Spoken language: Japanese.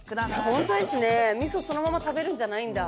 ホントですねみそそのまま食べるんじゃないんだ。